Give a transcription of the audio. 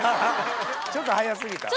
ちょっと早過ぎた？